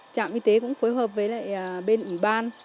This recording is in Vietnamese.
trạm y tế cũng phối hợp với lại bên ủy ban